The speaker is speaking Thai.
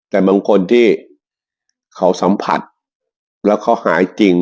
แต่บางคนที่เขาสัมผัสแล้วเขาหายจริง